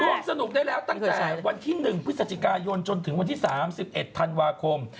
ร่วมสนุกได้แล้วตั้งแต่วันที่๑พฤศจิกายนจนถึงวันที่๓๑ธันวาคม